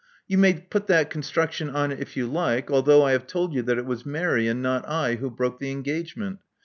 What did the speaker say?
You may put that con struction on it if you like, although I have told you that it was Mary, and not I, who broke the engage ment.